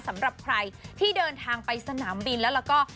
สำหรับใครที่เดินทางไปสนามบินแล้วก็